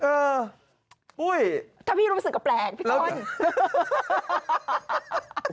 เอออุ้ยถ้าพี่รู้สึกก็แปลกพี่ต้น